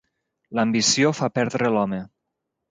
L'ambició fa perdre l'home.